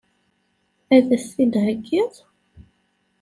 Ad as-t-id-theggiḍ?